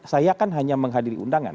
saya kan hanya menghadiri undangan